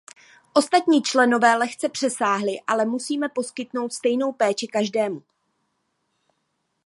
Ostatní členové lehce přesáhli, ale musíme poskytnou stejnou péči každému.